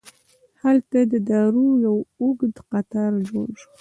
هلته د دارو یو اوږد قطار جوړ شو.